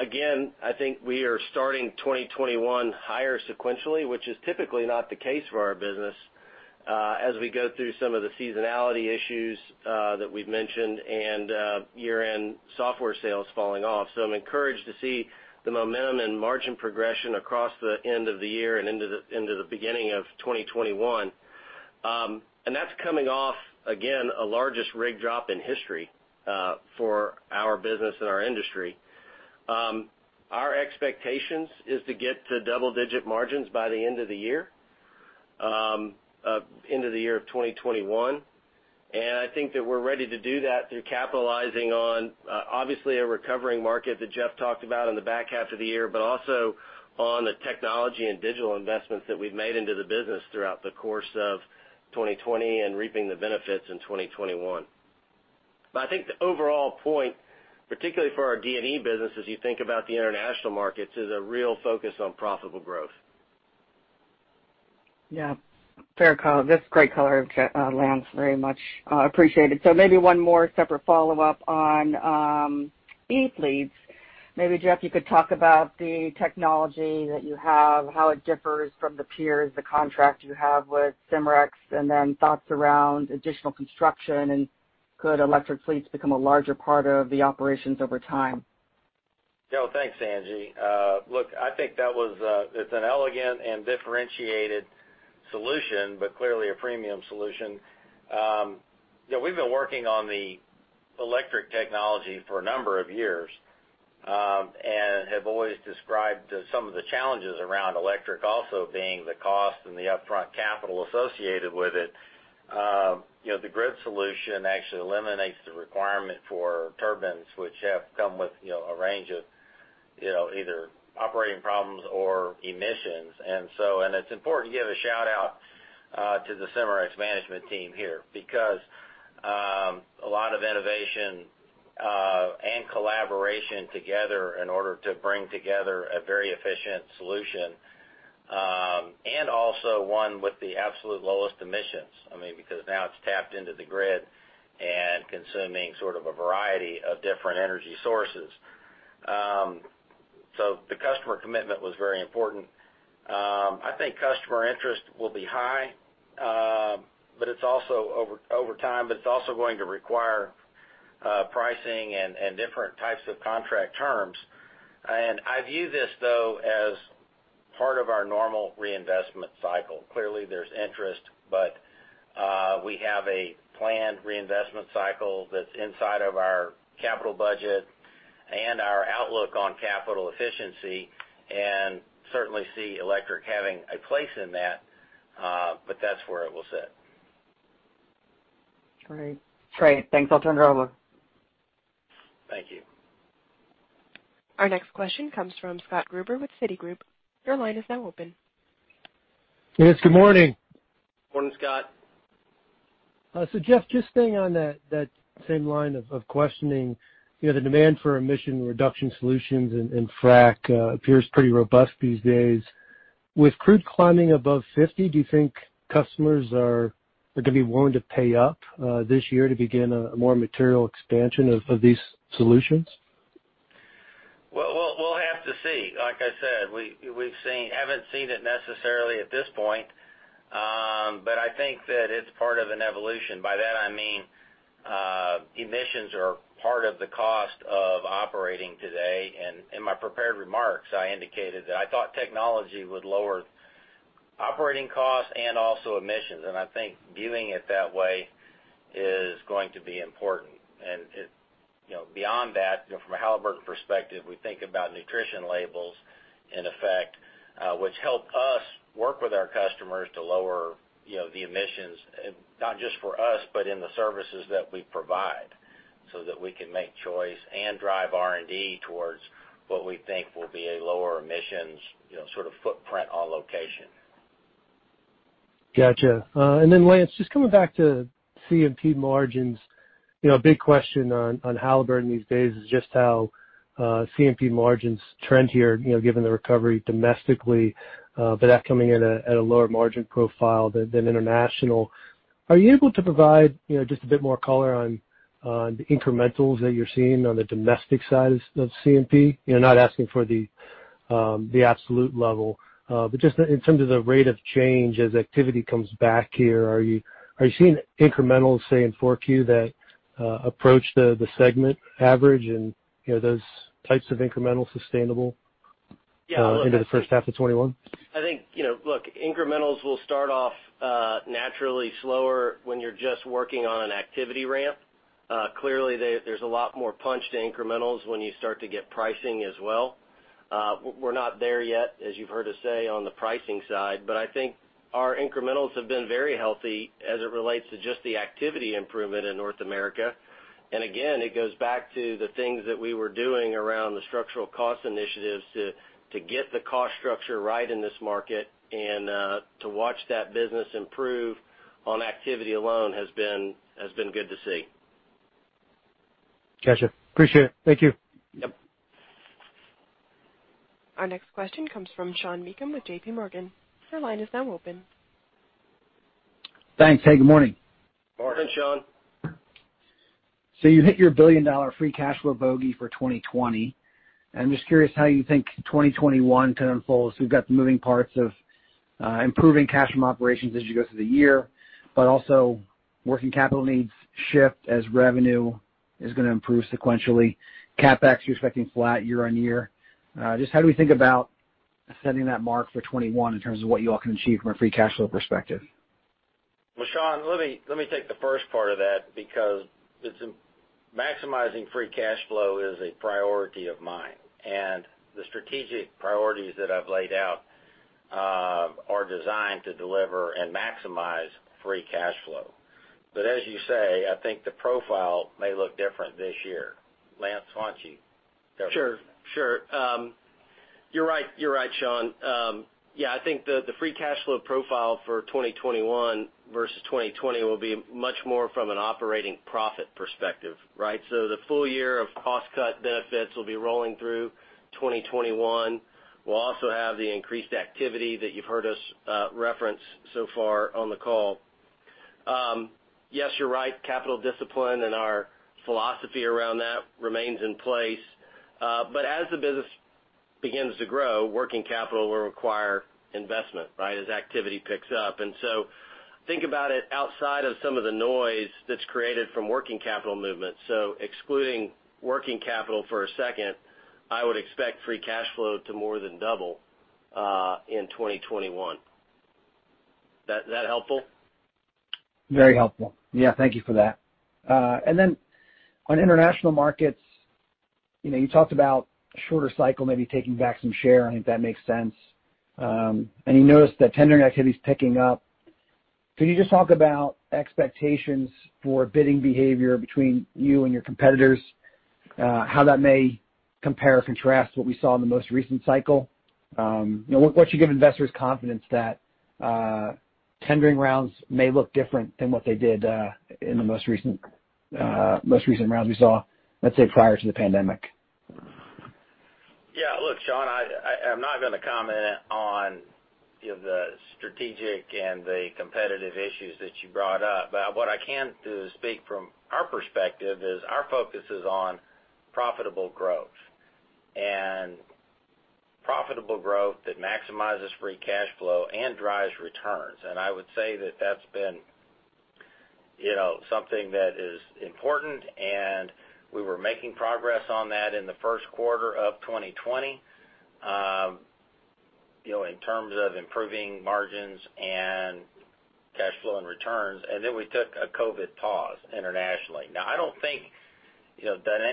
again, I think we are starting 2021 higher sequentially, which is typically not the case for our business, as we go through some of the seasonality issues that we've mentioned and year-end software sales falling off. I'm encouraged to see the momentum and margin progression across the end of the year and into the beginning of 2021. That's coming off, again, a largest rig drop in history for our business and our industry. Our expectations is to get to double-digit margins by the end of the year of 2021. I think that we're ready to do that through capitalizing on, obviously, a recovering market that Jeff talked about in the back half of the year, but also on the technology and digital investments that we've made into the business throughout the course of 2020 and reaping the benefits in 2021. I think the overall point, particularly for our D&E business as you think about the international markets, is a real focus on profitable growth. Yeah. Fair call. That's great color, Lance, very much appreciated. Maybe one more separate follow-up on e-fleets. Maybe, Jeff, you could talk about the technology that you have, how it differs from the peers, the contract you have with Cimarex, and then thoughts around additional construction, and could electric fleets become a larger part of the operations over time? Thanks, Angie. I think that's an elegant and differentiated solution, clearly a premium solution. We've been working on the electric technology for a number of years, have always described some of the challenges around electric also being the cost and the upfront capital associated with it. The grid solution actually eliminates the requirement for turbines, which have come with a range of either operating problems or emissions. It's important to give a shout-out to the Cimarex management team here, because a lot of innovation and collaboration together in order to bring together a very efficient solution, and also one with the absolute lowest emissions. Now it's tapped into the grid and consuming sort of a variety of different energy sources. The customer commitment was very important. I think customer interest will be high over time, but it's also going to require pricing and different types of contract terms. I view this, though, as part of our normal reinvestment cycle. Clearly, there's interest, but we have a planned reinvestment cycle that's inside of our capital budget and our outlook on capital efficiency, and certainly see electric having a place in that. That's where it will sit. Great. Thanks. I'll turn it over. Thank you. Our next question comes from Scott Gruber with Citigroup. Your line is now open. Yes, good morning. Morning, Scott. Jeff, just staying on that same line of questioning. The demand for emission reduction solutions and frac appears pretty robust these days. With crude climbing above $50, do you think customers are going to be willing to pay up this year to begin a more material expansion of these solutions? Well, we'll have to see. Like I said, we haven't seen it necessarily at this point. I think that it's part of an evolution. In my prepared remarks, I indicated that I thought technology would lower operating costs and also emissions. I think viewing it that way is going to be important. Beyond that, from a Halliburton perspective, we think about nutrition labels, in effect, which help us work with our customers to lower the emissions, not just for us, but in the services that we provide, so that we can make choice and drive R&D towards what we think will be a lower emissions sort of footprint on location. Got you. Lance, just coming back to C&P margins. A big question on Halliburton these days is just how C&P margins trend here, given the recovery domestically, but that coming at a lower margin profile than international. Are you able to provide just a bit more color on the incrementals that you're seeing on the domestic side of C&P? Not asking for the absolute level, but just in terms of the rate of change as activity comes back here. Are you seeing incrementals, say, in 4Q that approach the segment average and those types of incremental sustainable into the first half of 2021? I think incrementals will start off naturally slower when you're just working on an activity ramp. Clearly, there's a lot more punch to incrementals when you start to get pricing as well. We're not there yet, as you've heard us say on the pricing side, but I think our incrementals have been very healthy as it relates to just the activity improvement in North America. Again, it goes back to the things that we were doing around the structural cost initiatives to get the cost structure right in this market, and to watch that business improve on activity alone has been good to see. Got you. Appreciate it. Thank you. Yep. Our next question comes from Sean Meakim with JPMorgan. Your line is now open. Thanks. Hey, good morning. Morning, Sean. You hit your billion-dollar free cash flow bogey for 2020. I'm just curious how you think 2021 could unfold, as we've got the moving parts of improving cash from operations as you go through the year, but also working capital needs shift as revenue is going to improve sequentially. CapEx, you're expecting flat year-over-year. Just how do we think about setting that mark for 2021 in terms of what you all can achieve from a free cash flow perspective? Well, Sean, let me take the first part of that because maximizing free cash flow is a priority of mine, and the strategic priorities that I've laid out are designed to deliver and maximize free cash flow. As you say, I think the profile may look different this year. Lance, why don't you go? Sure. You're right, Sean. Yeah, I think the free cash flow profile for 2021 versus 2020 will be much more from an operating profit perspective, right? The full year of cost cut benefits will be rolling through 2021. We'll also have the increased activity that you've heard us reference so far on the call. Yes, you're right, capital discipline and our philosophy around that remains in place. As the business begins to grow, working capital will require investment as activity picks up. Think about it outside of some of the noise that's created from working capital movement. Excluding working capital for a second, I would expect free cash flow to more than double in 2021. That helpful? Very helpful. Yeah, thank you for that. On international markets, you talked about a shorter cycle, maybe taking back some share. I think that makes sense. You noticed that tendering activity is picking up. Could you just talk about expectations for bidding behavior between you and your competitors, how that may compare or contrast what we saw in the most recent cycle? What should give investors confidence that tendering rounds may look different than what they did in the most recent rounds we saw, let's say, prior to the pandemic? Yeah. Look, Sean, I'm not going to comment on the strategic and the competitive issues that you brought up. What I can do is speak from our perspective, is our focus is on profitable growth. Profitable growth that maximizes free cash flow and drives returns. I would say that that's been something that is important, and we were making progress on that in the first quarter of 2020 in terms of improving margins and cash flow and returns. We took a COVID pause internationally. I don't think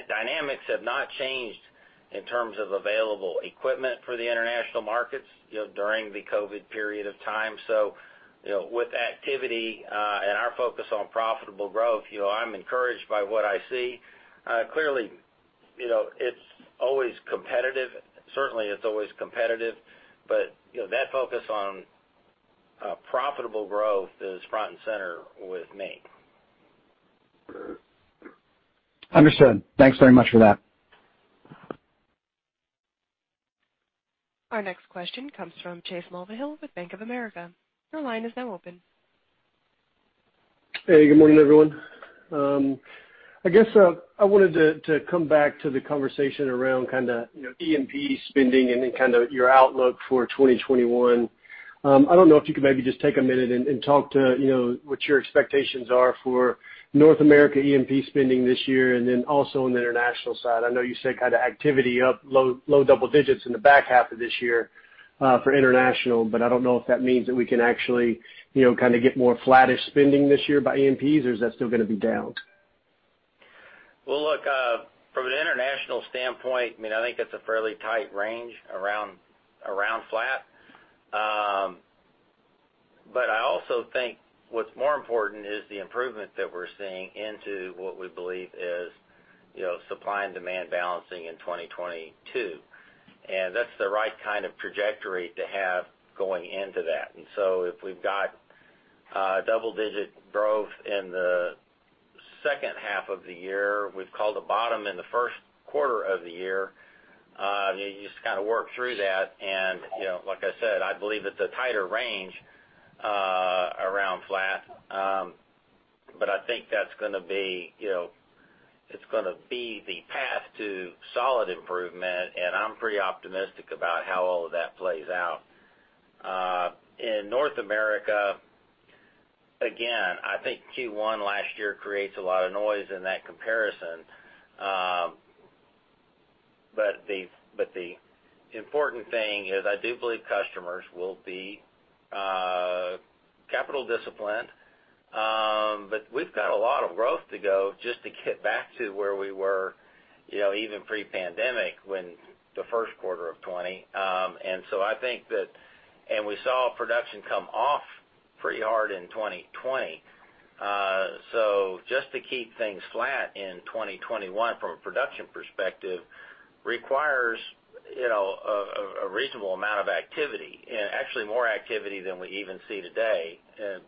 dynamics have not changed in terms of available equipment for the international markets during the COVID period of time. With activity and our focus on profitable growth, I'm encouraged by what I see. Clearly, it's always competitive. Certainly, it's always competitive, but that focus on profitable growth is front and center with me. Understood. Thanks very much for that. Our next question comes from Chase Mulvehill with Bank of America. Your line is now open. Hey, good morning, everyone. I guess I wanted to come back to the conversation around kind of E&P spending and then kind of your outlook for 2021. I don't know if you could maybe just take a minute and talk to what your expectations are for North America E&P spending this year, and then also on the international side. I know you said kind of activity up low double digits in the back half of this year for international, but I don't know if that means that we can actually kind of get more flattish spending this year by E&Ps, or is that still going to be down? Well, look, from an international standpoint, I think it's a fairly tight range around flat. I also think what's more important is the improvement that we're seeing into what we believe is supply and demand balancing in 2022. That's the right kind of trajectory to have going into that. If we've got double-digit growth in the second half of the year, we've called a bottom in the first quarter of the year. You just kind of work through that and like I said, I believe it's a tighter range around flat. I think that's going to be the path to solid improvement, and I'm pretty optimistic about how all of that plays out. In North America, again, I think Q1 last year creates a lot of noise in that comparison. The important thing is I do believe customers will be capital disciplined, but we've got a lot of growth to go just to get back to where we were even pre-pandemic when the first quarter of 2020. We saw production come off pretty hard in 2020. Just to keep things flat in 2021 from a production perspective requires a reasonable amount of activity, and actually more activity than we even see today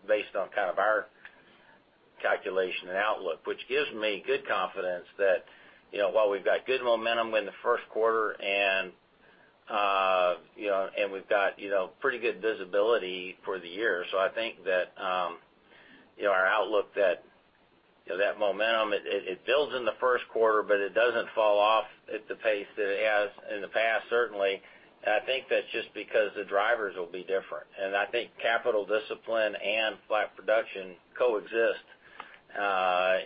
based on kind of our calculation and outlook. Which gives me good confidence that while we've got good momentum in the first quarter and we've got pretty good visibility for the year. I think that our outlook that momentum, it builds in the first quarter, but it doesn't fall off at the pace that it has in the past, certainly. I think that's just because the drivers will be different. I think capital discipline and flat production coexist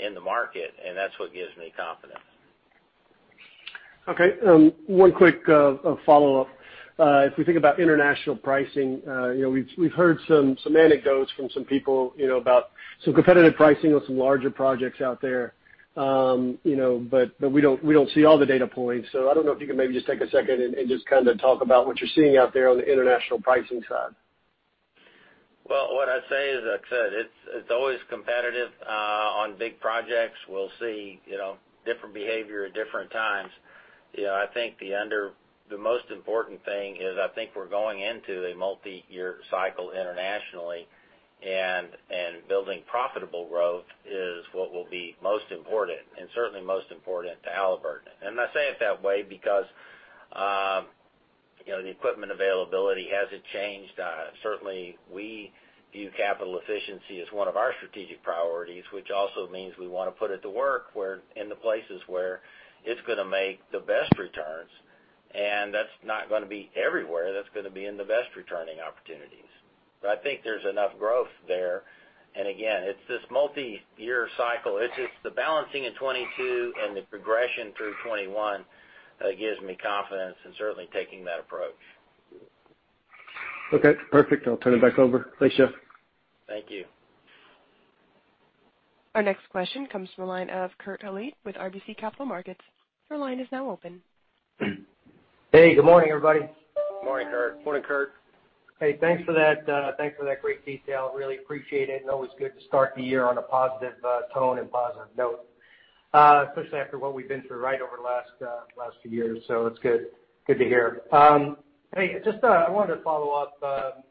in the market, and that's what gives me confidence. Okay. One quick follow-up. If we think about international pricing, we've heard some anecdotes from some people about some competitive pricing on some larger projects out there. We don't see all the data points, so I don't know if you can maybe just take a second and just kind of talk about what you're seeing out there on the international pricing side. Well, what I'd say is, like I said, it's always competitive on big projects. We'll see different behavior at different times. I think the most important thing is I think we're going into a multi-year cycle internationally and building profitable growth is what will be most important, and certainly most important to Halliburton. I say it that way because the equipment availability hasn't changed. Certainly, we view capital efficiency as one of our strategic priorities, which also means we want to put it to work in the places where it's going to make the best returns, and that's not going to be everywhere. That's going to be in the best returning opportunities. I think there's enough growth there. Again, it's this multi-year cycle. It's just the balancing in 2022 and the progression through 2021 that gives me confidence in certainly taking that approach. Okay, perfect. I'll turn it back over. Thanks, Jeff. Thank you. Our next question comes from the line of Kurt Hallead with RBC Capital Markets. Your line is now open. Hey, good morning, everybody. Morning, Kurt. Morning, Kurt. Hey, thanks for that great detail. Really appreciate it. Always good to start the year on a positive tone and positive note. Especially after what we've been through right over the last few years. It's good to hear. Hey, just I wanted to follow up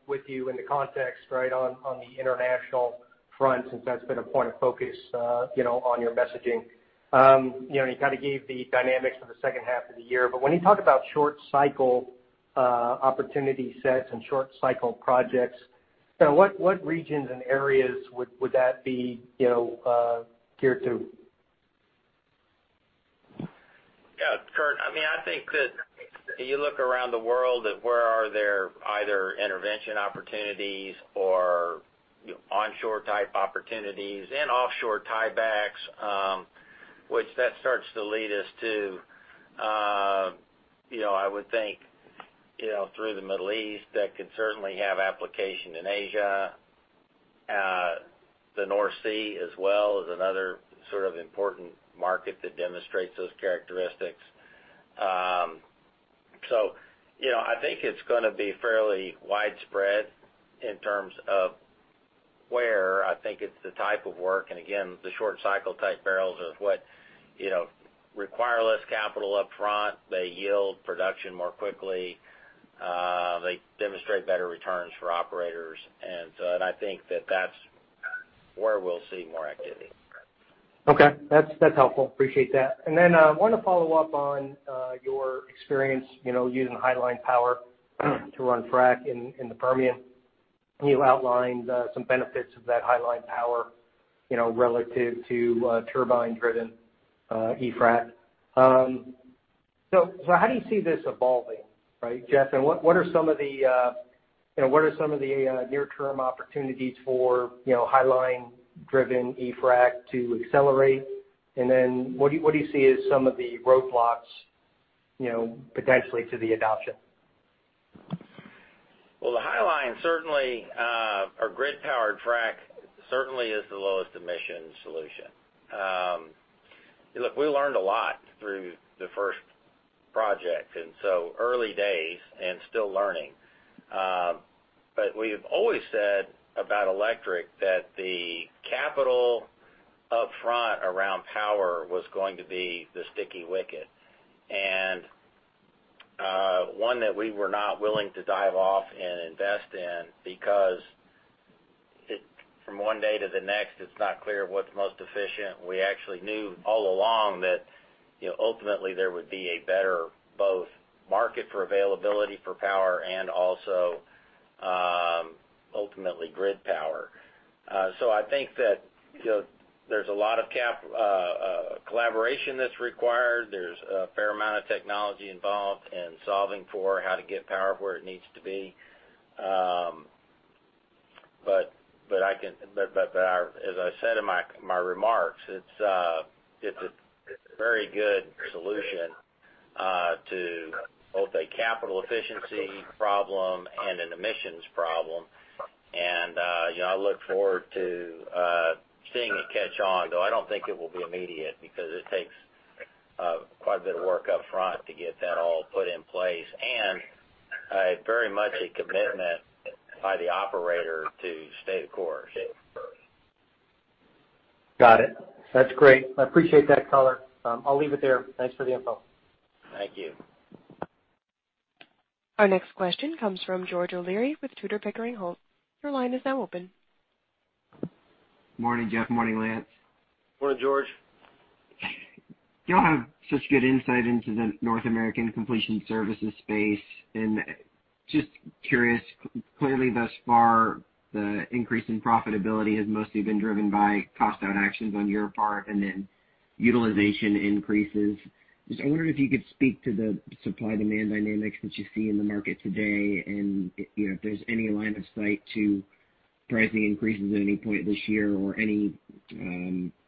with you in the context right on the international front, since that's been a point of focus on your messaging. You kind of gave the dynamics for the second half of the year. When you talk about short cycle opportunity sets and short cycle projects, what regions and areas would that be geared to? Yeah, Kurt, I think that you look around the world at where are there either intervention opportunities or onshore type opportunities and offshore tiebacks, which that starts to lead us to, I would think through the Middle East, that could certainly have application in Asia. The North Sea as well is another sort of important market that demonstrates those characteristics. I think it's going to be fairly widespread in terms of where I think it's the type of work, and again, the short cycle type barrels are what require less capital up front. They yield production more quickly. They demonstrate better returns for operators. I think that that's where we'll see more activity. Okay. That's helpful. Appreciate that. I want to follow up on your experience using highline power to run frac in the Permian. You outlined some benefits of that highline power relative to turbine-driven e-frac. How do you see this evolving, right, Jeff? What are some of the near-term opportunities for highline driven e-frac to accelerate? What do you see as some of the roadblocks potentially to the adoption? Well, the highline certainly, or grid-powered frac certainly is the lowest emission solution. Look, we learned a lot through the first project, early days and still learning. We've always said about electric that the capital up front around power was going to be the sticky wicket. One that we were not willing to dive off and invest in because from one day to the next, it's not clear what's most efficient. We actually knew all along that ultimately there would be a better both market for availability for power and also, ultimately, grid power. I think that there's a lot of collaboration that's required. There's a fair amount of technology involved in solving for how to get power where it needs to be. As I said in my remarks, it's a very good solution to both a capital efficiency problem and an emissions problem. I look forward to seeing it catch on, though I don't think it will be immediate because it takes quite a bit of work up front to get that all put in place, and very much a commitment by the operator to stay the course. Got it. That's great. I appreciate that color. I'll leave it there. Thanks for the info. Thank you. Our next question comes from George O'Leary with Tudor, Pickering, Holt. Your line is now open. Morning, Jeff. Morning, Lance. Morning, George. You all have such good insight into the North American completion services space. Just curious, clearly thus far, the increase in profitability has mostly been driven by cost-out actions on your part and then utilization increases. Just wondering if you could speak to the supply-demand dynamics that you see in the market today and if there's any line of sight to pricing increases at any point this year or any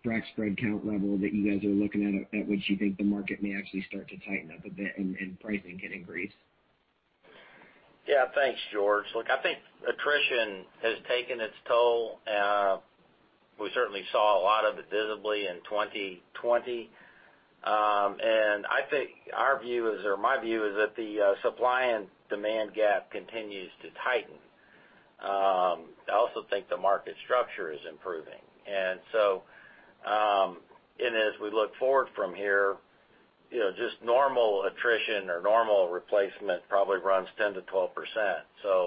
frac spread count level that you guys are looking at which you think the market may actually start to tighten up a bit and pricing can increase. Yeah. Thanks, George. Look, I think attrition has taken its toll. We certainly saw a lot of it visibly in 2020. I think our view, or my view, is that the supply and demand gap continues to tighten. I also think the market structure is improving. As we look forward from here, just normal attrition or normal replacement probably runs 10%-12%.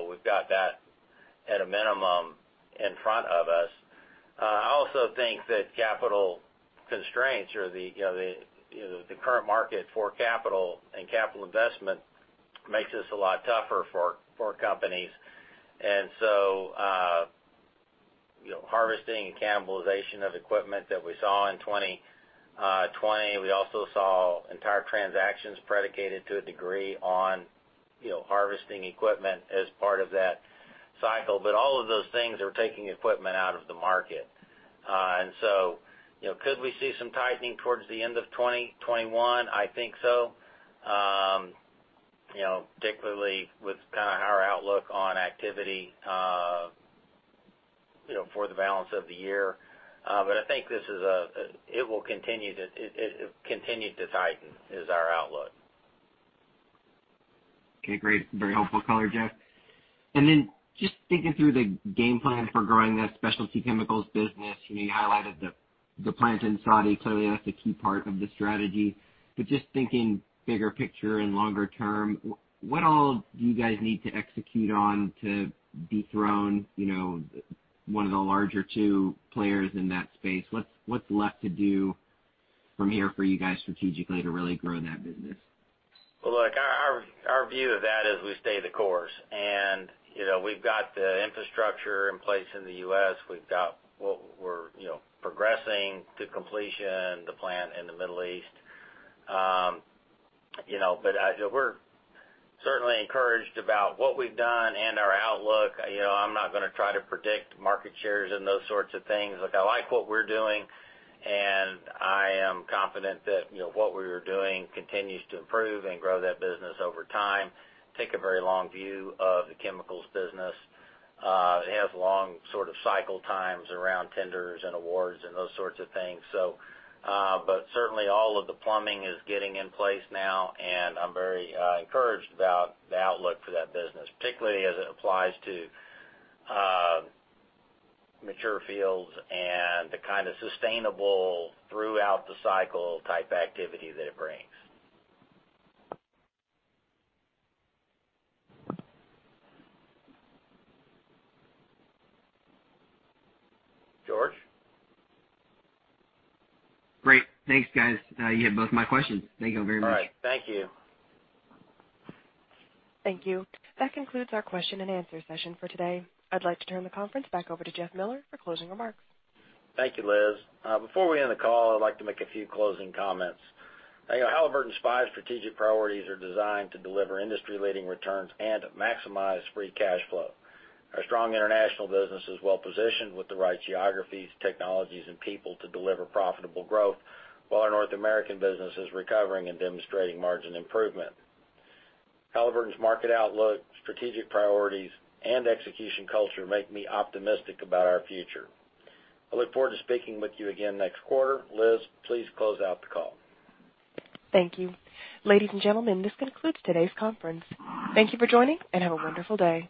We've got that at a minimum in front of us. I also think that capital constraints or the current market for capital and capital investment makes this a lot tougher for companies. Harvesting and cannibalization of equipment that we saw in 2020, we also saw entire transactions predicated to a degree on harvesting equipment as part of that cycle. All of those things are taking equipment out of the market. Could we see some tightening towards the end of 2021? I think so, particularly with our outlook on activity for the balance of the year. I think it will continue to tighten, is our outlook. Okay, great. Very helpful color, Jeff. Just thinking through the game plan for growing that specialty chemicals business, you highlighted the plant in Saudi. Clearly, that's a key part of the strategy. Just thinking bigger picture and longer term, what all do you guys need to execute on to dethrone one of the larger two players in that space? What's left to do from here for you guys strategically to really grow that business? Well, look, our view of that is we stay the course. We've got the infrastructure in place in the U.S. We're progressing to completion the plant in the Middle East. We're certainly encouraged about what we've done and our outlook. I'm not gonna try to predict market shares and those sorts of things. Look, I like what we're doing, and I am confident that what we are doing continues to improve and grow that business over time. Take a very long view of the chemicals business. It has long sort of cycle times around tenders and awards and those sorts of things. Certainly all of the plumbing is getting in place now, and I'm very encouraged about the outlook for that business, particularly as it applies to mature fields and the kind of sustainable throughout the cycle type activity that it brings. George? Great. Thanks, guys. You hit both my questions. Thank you very much. All right. Thank you. Thank you. That concludes our question and answer session for today. I'd like to turn the conference back over to Jeff Miller for closing remarks. Thank you, Liz. Before we end the call, I'd like to make a few closing comments. Halliburton's five strategic priorities are designed to deliver industry-leading returns and maximize free cash flow. Our strong international business is well positioned with the right geographies, technologies, and people to deliver profitable growth, while our North American business is recovering and demonstrating margin improvement. Halliburton's market outlook, strategic priorities, and execution culture make me optimistic about our future. I look forward to speaking with you again next quarter. Liz, please close out the call. Thank you. Ladies and gentlemen, this concludes today's conference. Thank you for joining and have a wonderful day.